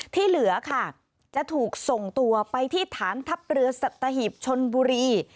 ที่เหลือค่ะจะถูกส่งตัวไปที่ฐานทัพเรือสัตหิบชนบุรี